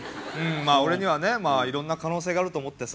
まあ俺にはねいろんな可能性があると思ってさ。